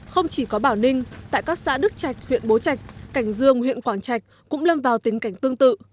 không chỉ có bảo ninh tại các xã đức trạch huyện bố trạch cảnh dương huyện quảng trạch cũng lâm vào tình cảnh tương tự